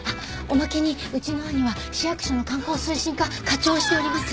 おまけにうちの兄は市役所の観光推進課課長をしております。